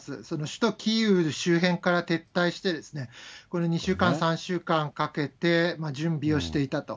首都キーウ周辺から撤退して、この２週間、３週間かけて準備をしていたと。